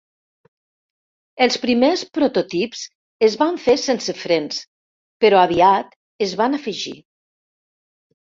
Els primers prototips es van fer sense frens, però aviat es van afegir.